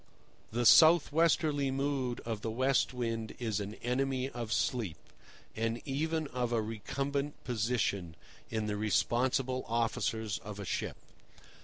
The south westerly mood of the West Wind is an enemy of sleep, and even of a recumbent position, in the responsible officers of a ship.